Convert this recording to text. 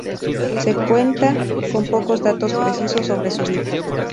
Se cuenta con pocos datos precisos sobre su vida.